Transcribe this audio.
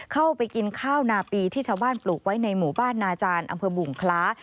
เข้าไปกินข้าวนาปีที่ชาวบ้านปลูกไว้ในหมู่บ้านนาจารย์อำเภอบุงคล้า